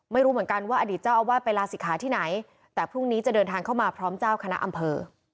ไม่รู้เหมือนกันว่าอดีตเจ้าอาวาสไปลาศิกขาที่ไหนแต่พรุ่งนี้จะเดินทางเข้ามาพร้อมเจ้าคณะอำเภอ